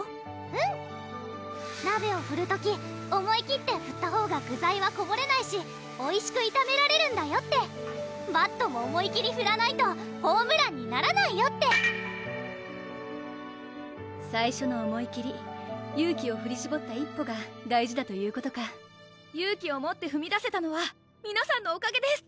うん！鍋をふる時思い切ってふったほうが具材はこぼれないしおいしくいためられるんだよってバットも思い切りふらないとホームランにならないよって最初の思い切り勇気をふりしぼった１歩が大事だということか勇気をもってふみ出せたのは皆さんのおかげです！